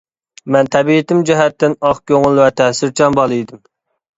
مەن تەبىئىتىم جەھەتتىن ئاق كۆڭۈل ۋە تەسىرچان بالا ئىدىم.